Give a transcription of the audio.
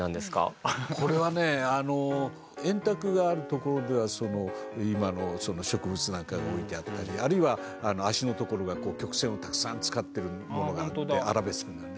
これはね円卓があるところでは今の植物なんかが置いてあったりあるいは脚のところが曲線をたくさん使ってるものがあってアラベスクなね。